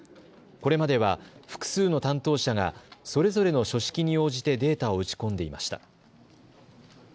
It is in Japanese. これまでは複数の担当者がそれぞれの書式に応じてデータを打ち込んでいました。